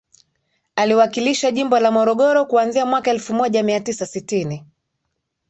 Aliwakilisha jimbo la Morogoro kuanzia mwaka elfu moja mia tisa sitini